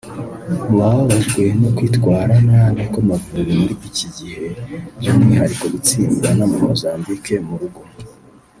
Mu bababajwe no kwitwara nabi kw’Amavubi muri iki gihe by’umwihariko gutsindwa na Mozambique mu rugo